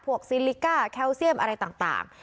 ซิลิก้าแคลเซียมอะไรต่าง